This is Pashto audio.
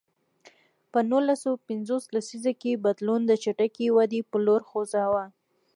په نولس سوه پنځوس لسیزه کې بدلون د چټکې ودې په لور خوځاوه.